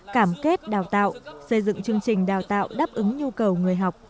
cảm kết đào tạo xây dựng chương trình đào tạo đáp ứng nhu cầu người học